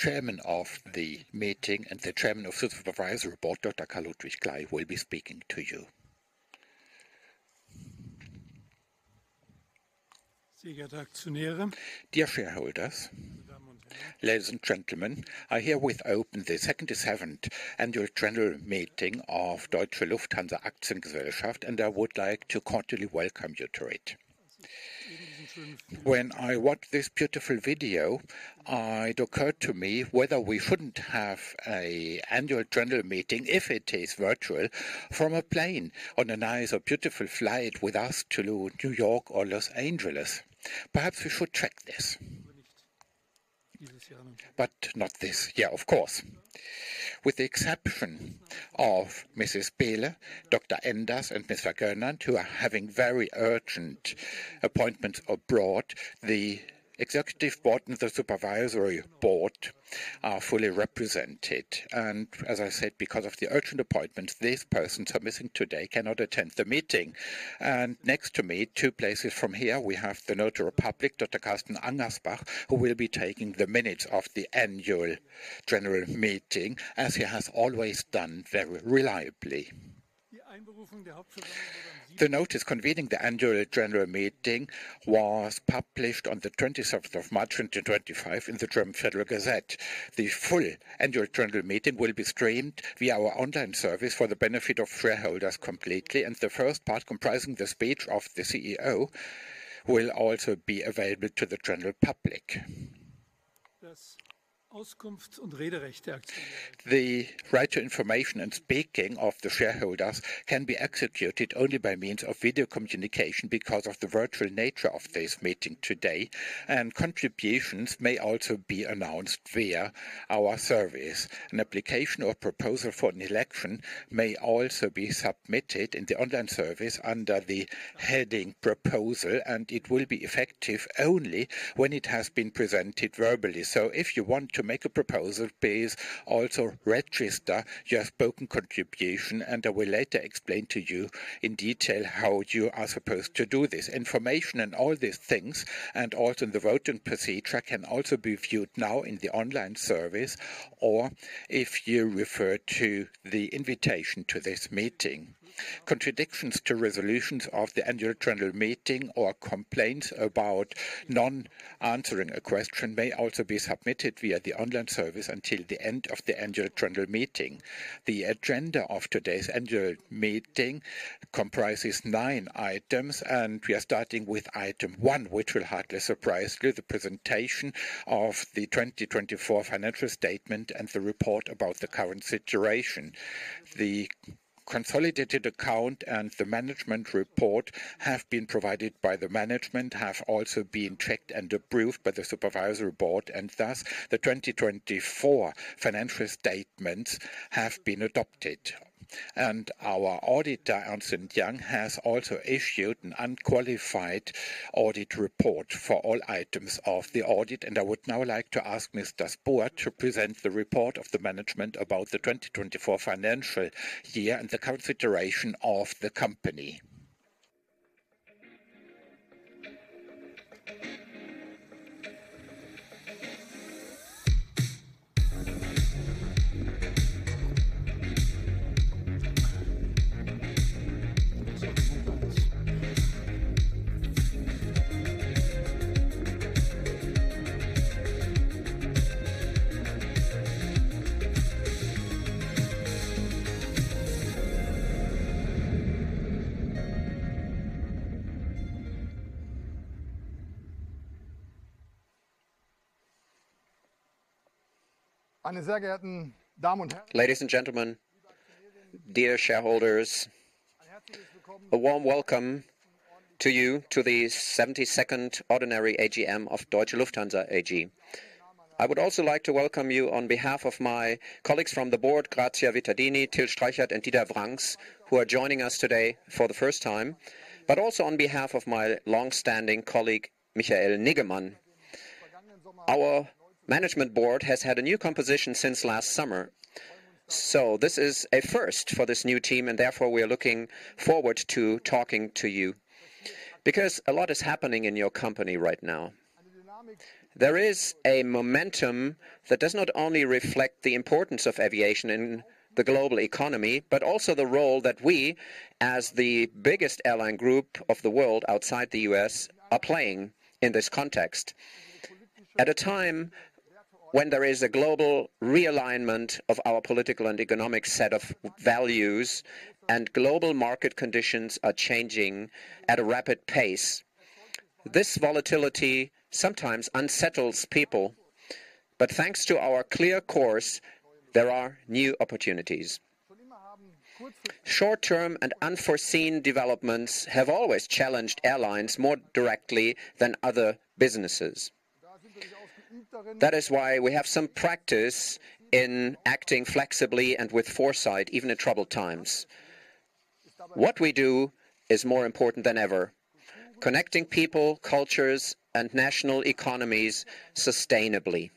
Chairman of the meeting and the Chairman of the Supervisory Board, Dr. Karl-Ludwig Kley, will be speaking to you. Sehr geehrte Aktionäre. Dear shareholders. Ladies and gentlemen, I hereby open the 77th Annual General Meeting of Deutsche Lufthansa AG, and I would like to cordially welcome you to it. Eben diesen schönen Flug. When I watched this beautiful video, it occurred to me whether we shouldn't have an annual general meeting, if it is virtual, from a plane on a nice or beautiful flight with us to New York or Los Angeles. Perhaps we should check this. Überlegt dieses Jahr. Of course. With the exception of Mrs. Bettina, Dr. Enders, and Ms. Wagener, who are having very urgent appointments abroad, the Executive Board and the Supervisory Board are fully represented. As I said, because of the urgent appointments, these persons who are missing today cannot attend the meeting. Next to me, two places from here, we have the notary public, Dr. Carsten Angersbach, who will be taking the minutes of the Annual General Meeting, as he has always done very reliably. Die Einberufung der Hauptversammlung wurde am 7. The notice convening the annual general meeting was published on the 27th of March 2025 in the German Federal Gazette. The full annual general meeting will be streamed via our online service for the benefit of shareholders completely, and the first part, comprising the speech of the CEO, will also be available to the general public. Das Auskunfts- und Rederecht der Aktionäre. The right to information and speaking of the shareholders can be executed only by means of video communication because of the virtual nature of this meeting today, and contributions may also be announced via our service. An application or proposal for an election may also be submitted in the online service under the heading "Proposal," and it will be effective only when it has been presented verbally. If you want to make a proposal, please also register your spoken contribution, and I will later explain to you in detail how you are supposed to do this. Information and all these things, and also the voting procedure, can also be viewed now in the online service or if you refer to the invitation to this meeting. Contradictions to resolutions of the Annual General Meeting or complaints about non-answering a question may also be submitted via the online service until the end of the Annual General Meeting. The agenda of today's annual meeting comprises nine items, and we are starting with item one, which will hardly surprise you: the presentation of the 2024 financial statement and the report about the current situation. The consolidated account and the management report have been provided by the management, have also been checked and approved by the Supervisory Board, and thus the 2024 financial statements have been adopted. Our auditor, Ernst & Young, has also issued an unqualified audit report for all items of the audit, and I would now like to ask Mr. Spohr to present the report of the management about the 2024 financial year and the current situation of the company. Meine sehr geehrten Damen und Herren. Ladies and gentlemen, dear shareholders, a warm welcome to you to the 72nd Ordinary AGM of Deutsche Lufthansa AG. I would also like to welcome you on behalf of my colleagues from the Board, Grazia Vittadini, Till Streichert, and Dieter Vranckx, who are joining us today for the first time, but also on behalf of my longstanding colleague, Michael Niggemann. Our Management Board has had a new composition since last summer, so this is a first for this new team, and therefore we are looking forward to talking to you because a lot is happening in your company right now. There is a momentum that does not only reflect the importance of aviation in the global economy, but also the role that we, as the biggest airline group of the world outside the U.S., are playing in this context. At a time when there is a global realignment of our political and economic set of values and global market conditions are changing at a rapid pace, this volatility sometimes unsettles people, but thanks to our clear course, there are new opportunities. Short-term and unforeseen developments have always challenged airlines more directly than other businesses. That is why we have some practice in acting flexibly and with foresight, even in troubled times. What we do is more important than ever: connecting people, cultures, and national economies sustainably.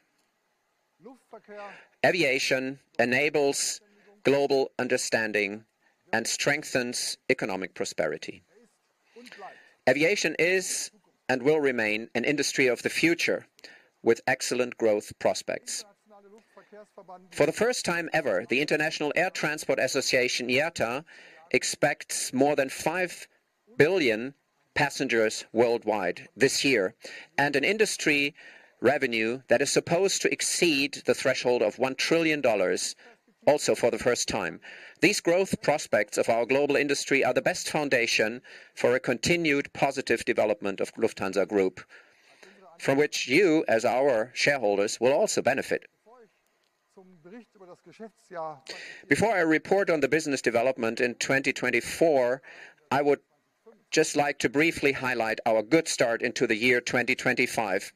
Aviation enables global understanding and strengthens economic prosperity. Aviation is and will remain an industry of the future with excellent growth prospects. For the first time ever, the International Air Transport Association IATA expects more than 5 billion passengers worldwide this year and an industry revenue that is supposed to exceed the threshold of $1 trillion also for the first time. These growth prospects of our global industry are the best foundation for a continued positive development of Lufthansa Group, from which you, as our shareholders, will also benefit. Before I report on the business development in 2024, I would just like to briefly highlight our good start into the year 2025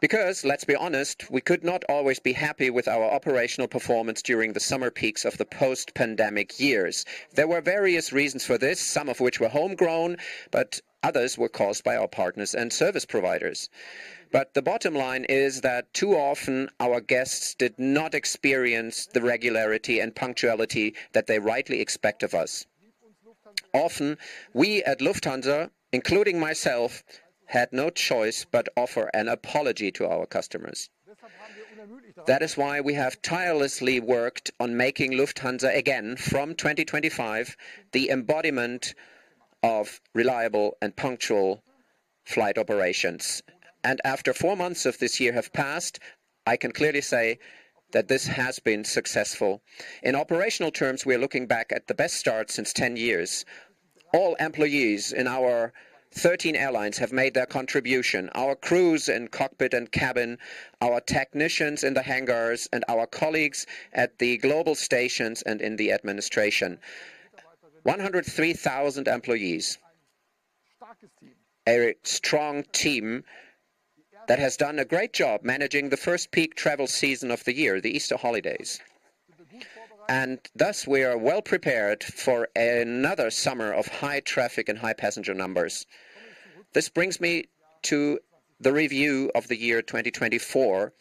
because, let's be honest, we could not always be happy with our operational performance during the summer peaks of the post-pandemic years. There were various reasons for this, some of which were homegrown, but others were caused by our partners and service providers. The bottom line is that too often our guests did not experience the regularity and punctuality that they rightly expect of us. Often, we at Lufthansa, including myself, had no choice but to offer an apology to our customers. That is why we have tirelessly worked on making Lufthansa again, from 2025, the embodiment of reliable and punctual flight operations. After four months of this year have passed, I can clearly say that this has been successful. In operational terms, we are looking back at the best start since 10 years. All employees in our 13 airlines have made their contribution: our crews in cockpit and cabin, our technicians in the hangars, and our colleagues at the global stations and in the administration. 103,000 employees, a strong team that has done a great job managing the first peak travel season of the year, the Easter holidays. Thus, we are well prepared for another summer of high traffic and high passenger numbers. This brings me to the review of the year 2024,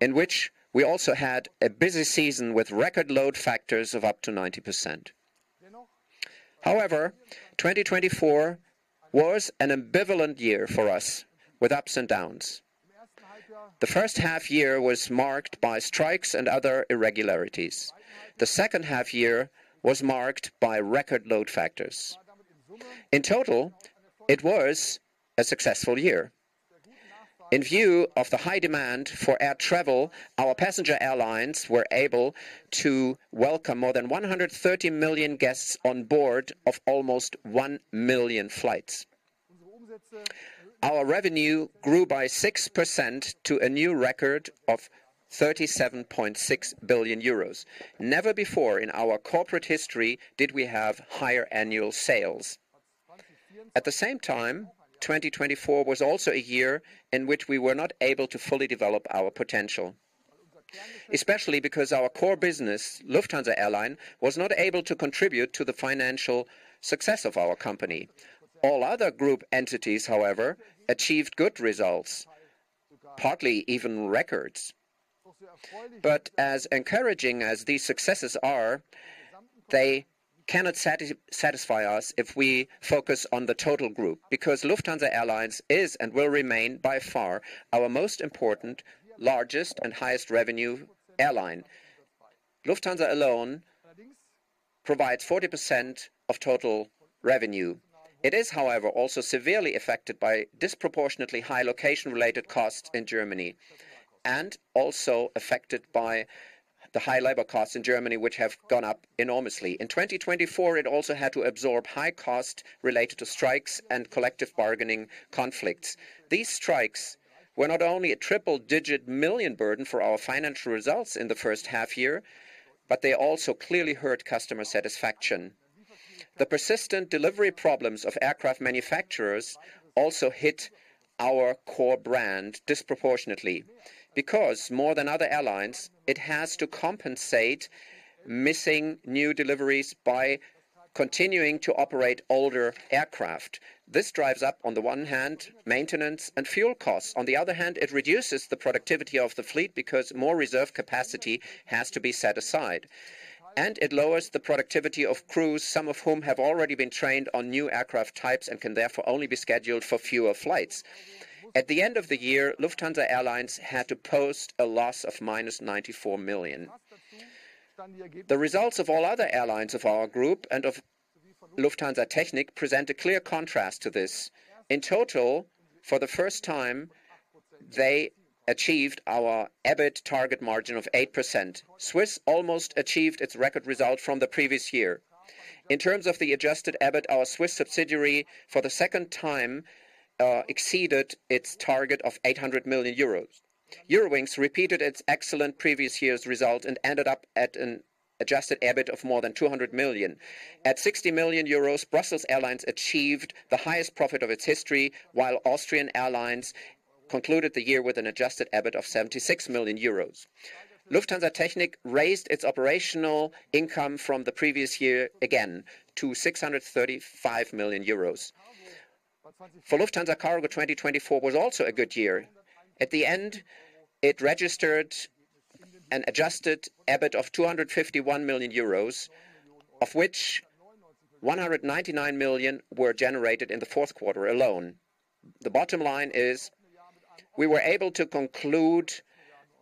in which we also had a busy season with record load factors of up to 90%. However, 2024 was an ambivalent year for us, with ups and downs. The first half year was marked by strikes and other irregularities. The second half year was marked by record load factors. In total, it was a successful year. In view of the high demand for air travel, our passenger airlines were able to welcome more than 130 million guests on board of almost 1 million flights. Our revenue grew by 6% to a new record of 37.6 billion euros. Never before in our corporate history did we have higher annual sales. At the same time, 2024 was also a year in which we were not able to fully develop our potential, especially because our core business, Lufthansa Airline, was not able to contribute to the financial success of our company. All other group entities, however, achieved good results, partly even records. As encouraging as these successes are, they cannot satisfy us if we focus on the total group because Lufthansa Airlines is and will remain by far our most important, largest, and highest revenue airline. Lufthansa alone provides 40% of total revenue. It is, however, also severely affected by disproportionately high location-related costs in Germany and also affected by the high labor costs in Germany, which have gone up enormously. In 2024, it also had to absorb high costs related to strikes and collective bargaining conflicts. These strikes were not only a triple-digit million burden for our financial results in the first half year, but they also clearly hurt customer satisfaction. The persistent delivery problems of aircraft manufacturers also hit our core brand disproportionately because, more than other airlines, it has to compensate missing new deliveries by continuing to operate older aircraft. This drives up, on the one hand, maintenance and fuel costs. On the other hand, it reduces the productivity of the fleet because more reserve capacity has to be set aside, and it lowers the productivity of crews, some of whom have already been trained on new aircraft types and can therefore only be scheduled for fewer flights. At the end of the year, Lufthansa Airlines had to post a loss of minus 94 million. The results of all other airlines of our group and of Lufthansa Technik present a clear contrast to this. In total, for the first time, they achieved our EBIT target margin of 8%. SWISS almost achieved its record result from the previous year. In terms of the adjusted EBIT, our SWISS subsidiary for the second time exceeded its target of 800 million euros. Eurowings repeated its excellent previous year's result and ended up at an adjusted EBIT of more than 200 million. At 60 million euros, Brussels Airlines achieved the highest profit of its history, while Austrian Airlines concluded the year with an adjusted EBIT of 76 million euros. Lufthansa Technik raised its operational income from the previous year again to 635 million euros. For Lufthansa Cargo, 2024 was also a good year. At the end, it registered an adjusted EBIT of 251 million euros, of which 199 million were generated in the fourth quarter alone. The bottom line is we were able to conclude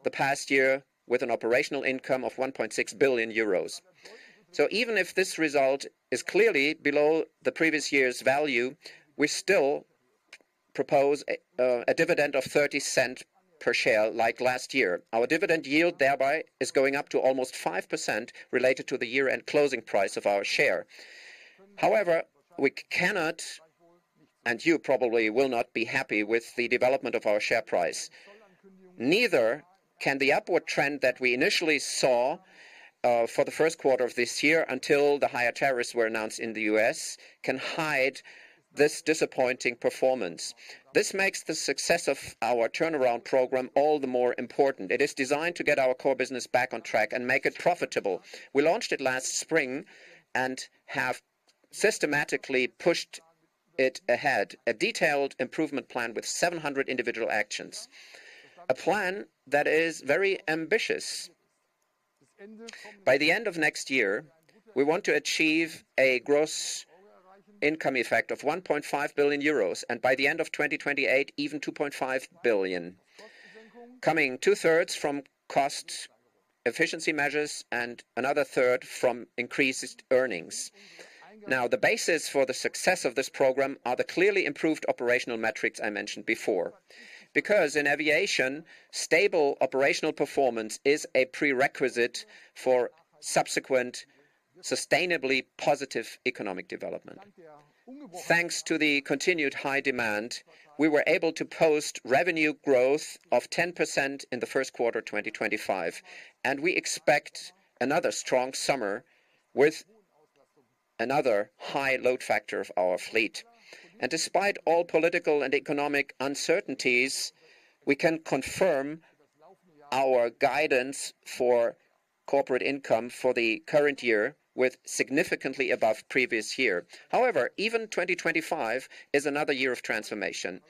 the past year with an operational income of 1.6 billion euros. Even if this result is clearly below the previous year's value, we still propose a dividend of 0.30 per share like last year. Our dividend yield thereby is going up to almost 5% related to the year-end closing price of our share. However, we cannot, and you probably will not, be happy with the development of our share price. Neither can the upward trend that we initially saw for the first quarter of this year until the higher tariffs were announced in the U.S. can hide this disappointing performance. This makes the success of our turnaround program all the more important. It is designed to get our core business back on track and make it profitable. We launched it last spring and have systematically pushed it ahead, a detailed improvement plan with 700 individual actions, a plan that is very ambitious. By the end of next year, we want to achieve a gross income effect of 1.5 billion euros and by the end of 2028, even 2.5 billion, coming two-thirds from cost efficiency measures and another third from increased earnings. Now, the basis for the success of this program are the clearly improved operational metrics I mentioned before because in aviation, stable operational performance is a prerequisite for subsequent sustainably positive economic development. Thanks to the continued high demand, we were able to post revenue growth of 10% in the first quarter of 2025, and we expect another strong summer with another high load factor of our fleet. Despite all political and economic uncertainties, we can confirm our guidance for corporate income for the current year with significantly above previous year. However, even 2025 is another year of transformation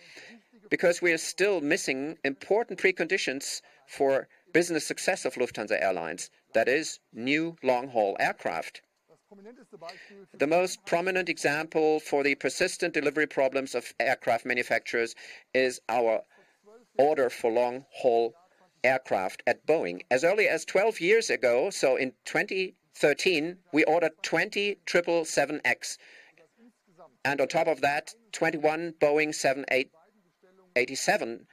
because we are still missing important preconditions for business success of Lufthansa Airlines, that is, new long-haul aircraft. The most prominent example for the persistent delivery problems of aircraft manufacturers is our order for long-haul aircraft at Boeing. As early as 12 years ago, so in 2013, we ordered 20 777X and on top of that, 21 Boeing 787.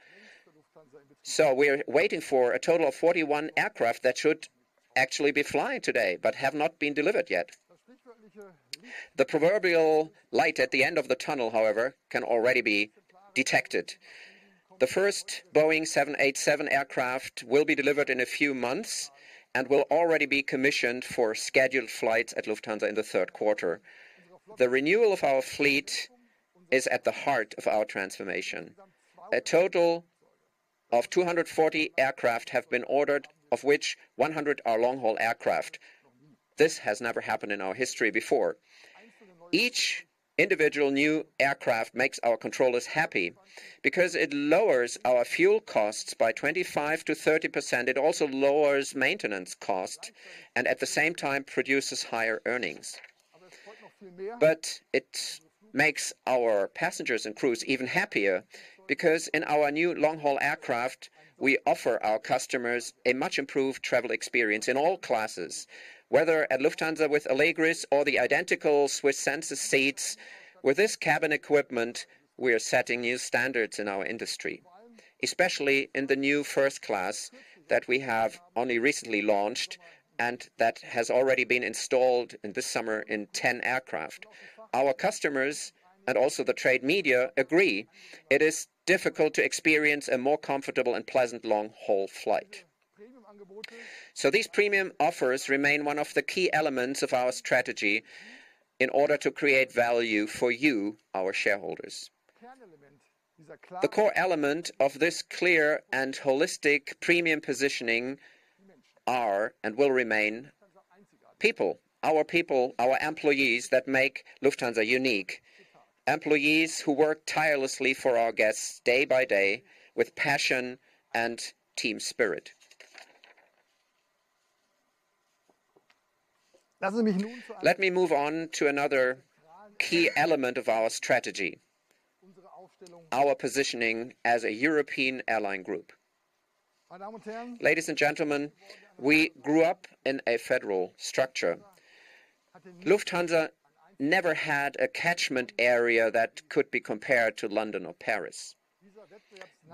We are waiting for a total of 41 aircraft that should actually be flying today but have not been delivered yet. The proverbial light at the end of the tunnel, however, can already be detected. The first Boeing 787 aircraft will be delivered in a few months and will already be commissioned for scheduled flights at Lufthansa in the third quarter. The renewal of our fleet is at the heart of our transformation. A total of 240 aircraft have been ordered, of which 100 are long-haul aircraft. This has never happened in our history before. Each individual new aircraft makes our controllers happy because it lowers our fuel costs by 25%-30%. It also lowers maintenance costs and at the same time produces higher earnings. It makes our passengers and crews even happier because in our new long-haul aircraft, we offer our customers a much improved travel experience in all classes, whether at Lufthansa with Allegris or the identical SWISS Senses seats. With this cabin equipment, we are setting new standards in our industry, especially in the new first class that we have only recently launched and that has already been installed this summer in 10 aircraft. Our customers and also the trade media agree it is difficult to experience a more comfortable and pleasant long-haul flight. These premium offers remain one of the key elements of our strategy in order to create value for you, our shareholders. The core element of this clear and holistic premium positioning are and will remain people, our people, our employees that make Lufthansa unique, employees who work tirelessly for our guests day-by-day with passion and team spirit. Let me move on to another key element of our strategy, our positioning as a European airline group. Ladies and gentlemen, we grew up in a federal structure. Lufthansa never had a catchment area that could be compared to London or Paris.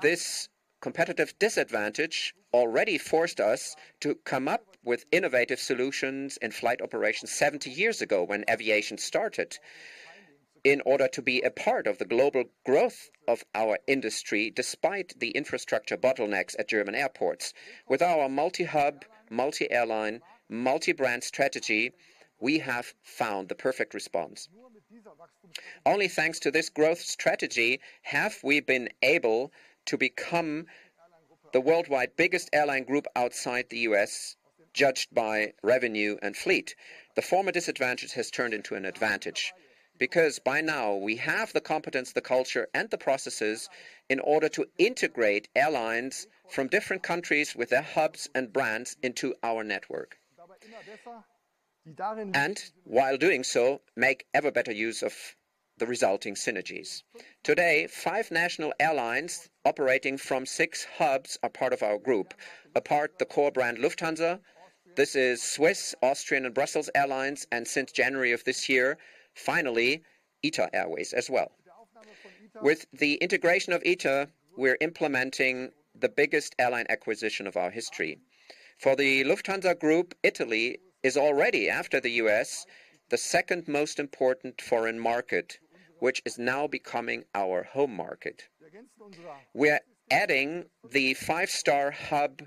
This competitive disadvantage already forced us to come up with innovative solutions in flight operations 70 years ago when aviation started in order to be a part of the global growth of our industry despite the infrastructure bottlenecks at German airports. With our multi-hub, multi-airline, multi-brand strategy, we have found the perfect response. Only thanks to this growth strategy have we been able to become the worldwide biggest airline group outside the U.S., judged by revenue and fleet. The former disadvantage has turned into an advantage because by now we have the competence, the culture, and the processes in order to integrate airlines from different countries with their hubs and brands into our network and while doing so, make ever better use of the resulting synergies. Today, five national airlines operating from six hubs are part of our group, apart from the core brand Lufthansa. This is SWISS, Austrian, and Brussels Airlines, and since January of this year, finally, ITA Airways as well. With the integration of ITA, we're implementing the biggest airline acquisition of our history. For the Lufthansa Group, Italy is already, after the US, the second most important foreign market, which is now becoming our home market. We are adding the five-star hub,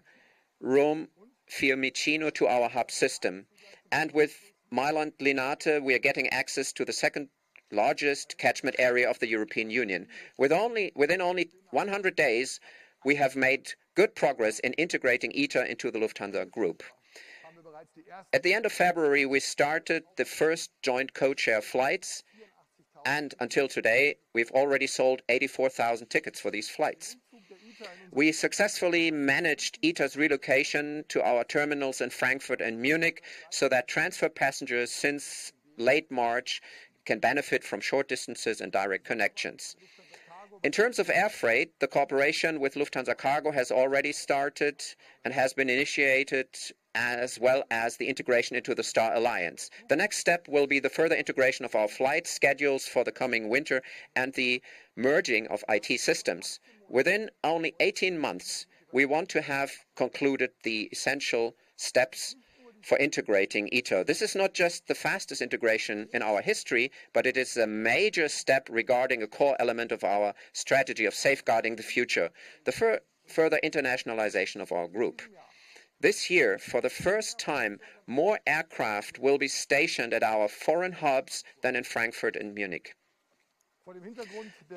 Rome Fiumicino, to our hub system, and with Milan Linate, we are getting access to the second largest catchment area of the European Union. Within only 100 days, we have made good progress in integrating ITA into the Lufthansa Group. At the end of February, we started the first joint co-share flights, and until today, we have already sold 84,000 tickets for these flights. We successfully managed ITA's relocation to our terminals in Frankfurt and Munich so that transfer passengers since late March can benefit from short distances and direct connections. In terms of air freight, the cooperation with Lufthansa Cargo has already started and has been initiated, as well as the integration into the Star Alliance. The next step will be the further integration of our flight schedules for the coming winter and the merging of IT systems. Within only 18 months, we want to have concluded the essential steps for integrating ITA. This is not just the fastest integration in our history, but it is a major step regarding a core element of our strategy of safeguarding the future, the further internationalization of our group. This year, for the first time, more aircraft will be stationed at our foreign hubs than in Frankfurt and Munich.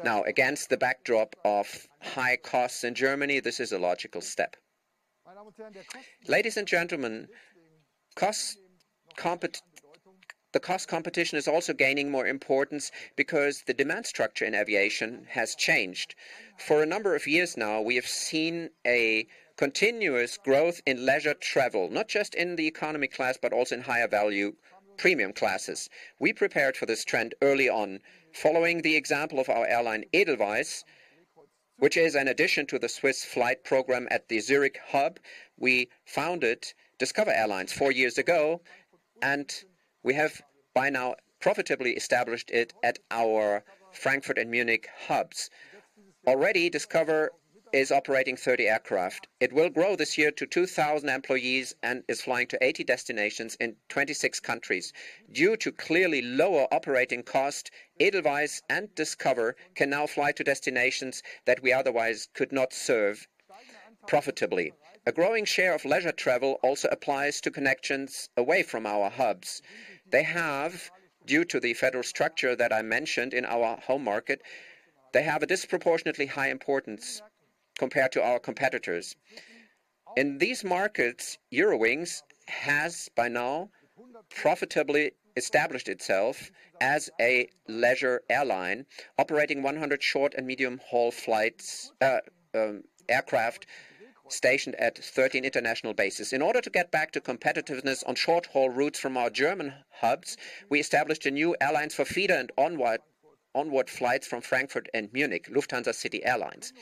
Now, against the backdrop of high costs in Germany, this is a logical step. Ladies and gentlemen, the cost competition is also gaining more importance because the demand structure in aviation has changed. For a number of years now, we have seen a continuous growth in leisure travel, not just in the economy class, but also in higher value premium classes. We prepared for this trend early on, following the example of our airline Edelweiss, which is in addition to the Swiss flight program at the Zurich hub. We founded Discover Airlines four years ago, and we have by now profitably established it at our Frankfurt and Munich hubs. Already, Discover is operating 30 aircraft. It will grow this year to 2,000 employees and is flying to 80 destinations in 26 countries. Due to clearly lower operating costs, Edelweiss and Discover can now fly to destinations that we otherwise could not serve profitably. A growing share of leisure travel also applies to connections away from our hubs. They have, due to the federal structure that I mentioned in our home market, a disproportionately high importance compared to our competitors. In these markets, Eurowings has by now profitably established itself as a leisure airline, operating 100 short and medium-haul aircraft stationed at 13 international bases. In order to get back to competitiveness on short-haul routes from our German hubs, we established a new airline for Finland and onward flights from Frankfurt and Munich, Lufthansa City Airlines.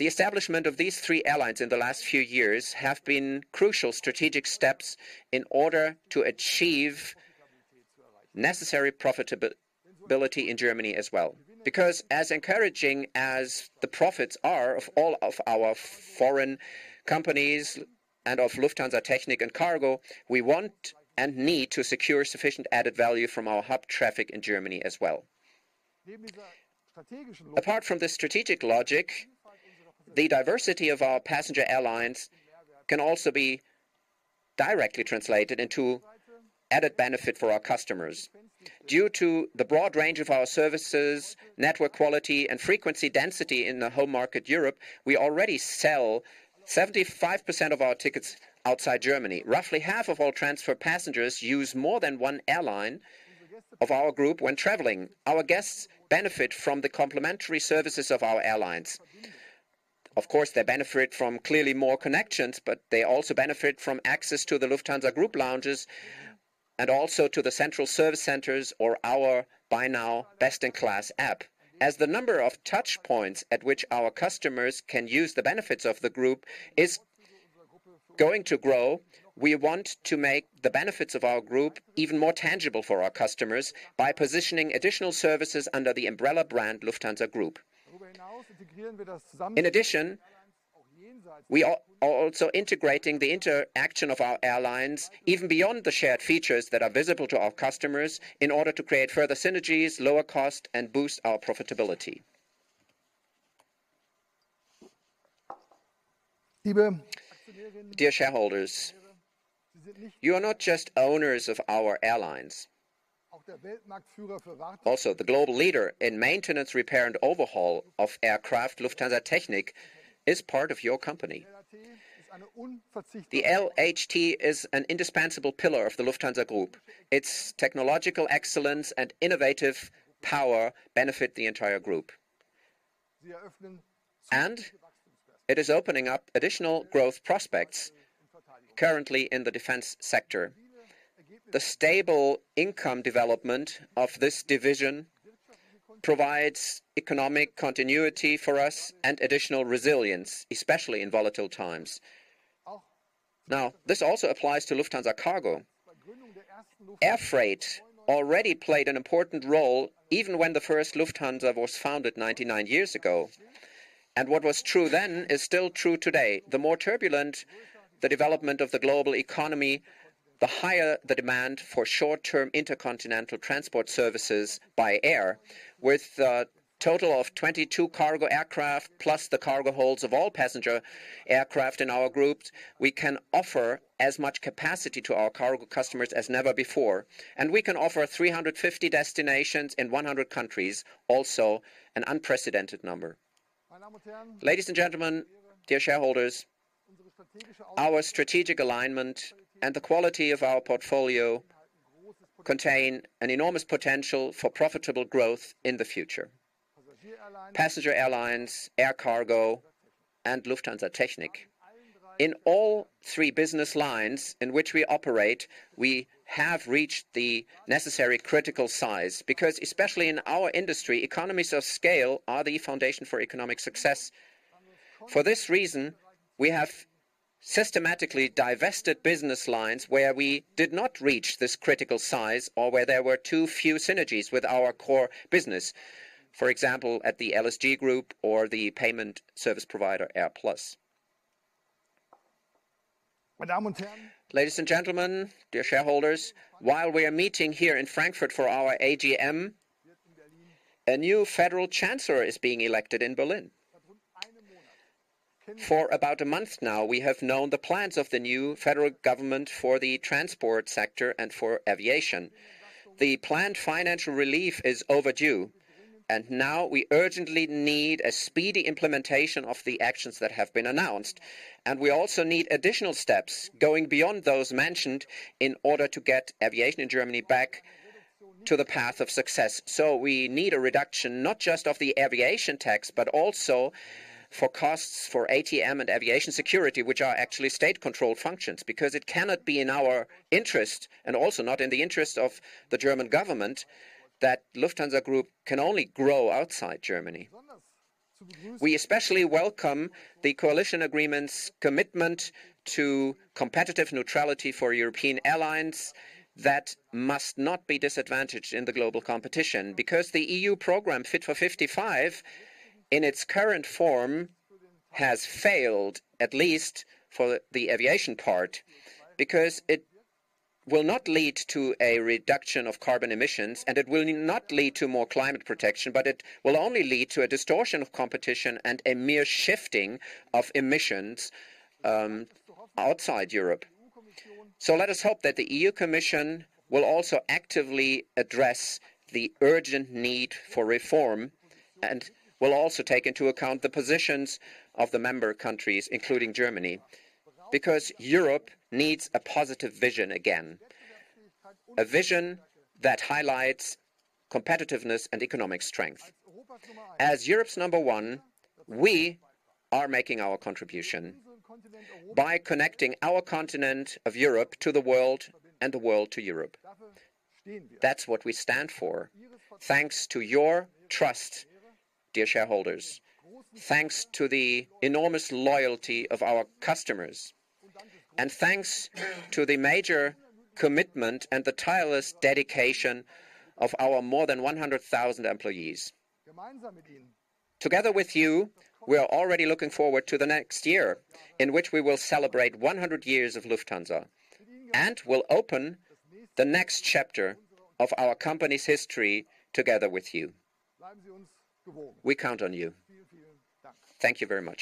The establishment of these three airlines in the last few years has been crucial strategic steps in order to achieve necessary profitability in Germany as well. Because as encouraging as the profits are of all of our foreign companies and of Lufthansa Technik and Cargo, we want and need to secure sufficient added value from our hub traffic in Germany as well. Apart from this strategic logic, the diversity of our passenger airlines can also be directly translated into added benefit for our customers. Due to the broad range of our services, network quality, and frequency density in the home market, Europe, we already sell 75% of our tickets outside Germany. Roughly half of all transfer passengers use more than one airline of our group when traveling. Our guests benefit from the complementary services of our airlines. Of course, they benefit from clearly more connections, but they also benefit from access to the Lufthansa Group lounges and also to the central service centers or our by now best-in-class app. As the number of touchpoints at which our customers can use the benefits of the group is going to grow, we want to make the benefits of our group even more tangible for our customers by positioning additional services under the umbrella brand Lufthansa Group. In addition, we are also integrating the interaction of our airlines even beyond the shared features that are visible to our customers in order to create further synergies, lower costs, and boost our profitability. Dear shareholders, you are not just owners of our airlines. Also, the global leader in maintenance, repair, and overhaul of aircraft, Lufthansa Technik, is part of your company. The LHT is an indispensable pillar of the Lufthansa Group. Its technological excellence and innovative power benefit the entire group. It is opening up additional growth prospects currently in the defense sector. The stable income development of this division provides economic continuity for us and additional resilience, especially in volatile times. This also applies to Lufthansa Cargo. Air freight already played an important role even when the first Lufthansa was founded 99 years ago. What was true then is still true today. The more turbulent the development of the global economy, the higher the demand for short-term intercontinental transport services by air. With a total of 22 cargo aircraft plus the cargo holds of all passenger aircraft in our group, we can offer as much capacity to our cargo customers as never before. We can offer 350 destinations in 100 countries, also an unprecedented number. Ladies and gentlemen, dear shareholders, our strategic alignment and the quality of our portfolio contain an enormous potential for profitable growth in the future. Passenger airlines, air cargo, and Lufthansa Technik, in all three business lines in which we operate, we have reached the necessary critical size because, especially in our industry, economies of scale are the foundation for economic success. For this reason, we have systematically divested business lines where we did not reach this critical size or where there were too few synergies with our core business, for example, at the LSG Group or the payment service provider AirPlus. Ladies and gentlemen, dear shareholders, while we are meeting here in Frankfurt for our AGM, a new federal chancellor is being elected in Berlin. For about a month now, we have known the plans of the new federal government for the transport sector and for aviation. The planned financial relief is overdue, and now we urgently need a speedy implementation of the actions that have been announced. We also need additional steps going beyond those mentioned in order to get aviation in Germany back to the path of success. We need a reduction not just of the aviation tax, but also for costs for ATM and aviation security, which are actually state-controlled functions, because it cannot be in our interest and also not in the interest of the German government that Lufthansa Group can only grow outside Germany. We especially welcome the coalition agreement's commitment to competitive neutrality for European airlines that must not be disadvantaged in the global competition because the EU program Fit for 55 in its current form has failed, at least for the aviation part, because it will not lead to a reduction of carbon emissions and it will not lead to more climate protection, but it will only lead to a distortion of competition and a mere shifting of emissions outside Europe. Let us hope that the EU Commission will also actively address the urgent need for reform and will also take into account the positions of the member countries, including Germany, because Europe needs a positive vision again, a vision that highlights competitiveness and economic strength. As Europe's number one, we are making our contribution by connecting our continent of Europe to the world and the world to Europe. That's what we stand for. Thanks to your trust, dear shareholders, thanks to the enormous loyalty of our customers, and thanks to the major commitment and the tireless dedication of our more than 100,000 employees. Together with you, we are already looking forward to the next year in which we will celebrate 100 years of Lufthansa and will open the next chapter of our company's history together with you. We count on you. Thank you very much.